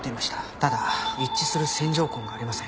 ただ一致する線条痕がありません。